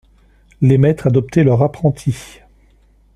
Les maîtres adoptaient leurs apprentis.